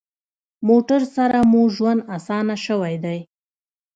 موټر سره مو ژوند اسانه شوی دی.